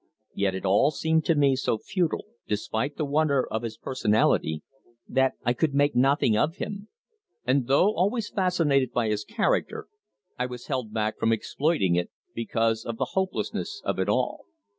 Yet it all seemed to me so futile, despite the wonder of his personality, that I could make nothing of him, and though always fascinated by his character I was held back from exploiting it, because of the hopelessness of it all.